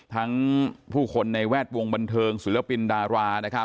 ทั้งผู้คนในแวดวงบันเทิงศูลยปินดารา